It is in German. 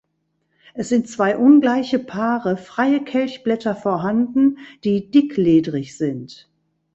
Es sind zwei ungleiche Paare freie Kelchblätter vorhanden, die dick-ledrig sind.